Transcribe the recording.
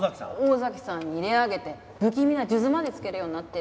尾崎さんに入れ上げて不気味な数珠までつけるようになってるし。